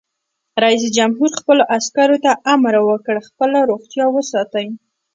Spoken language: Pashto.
رئیس جمهور خپلو عسکرو ته امر وکړ؛ خپله روغتیا وساتئ!